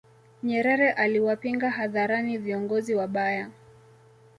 nyerere aliwapinga hadharani viongozi wabaya